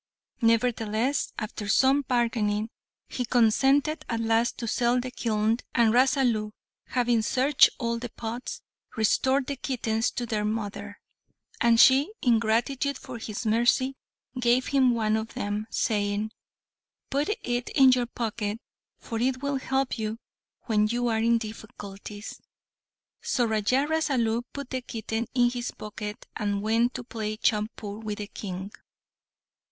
Nevertheless, after some bargaining, he consented at last to sell the kiln, and Rasalu, having searched all the pots, restored the kittens to their mother, and she, in gratitude for his mercy, gave him one of them, saying, "Put it in your pocket, for it will help you when you are in difficulties." So Raja Rasalu put the kitten in his pocket, and went to play chaupur with the King.